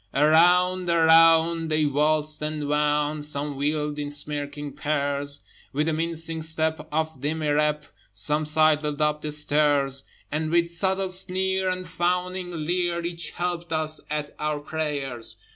Around, around, they waltzed and wound; Some wheeled in smirking pairs: With the mincing step of demirep Some sidled up the stairs: And with subtle sneer, and fawning leer, Each helped us at our prayers.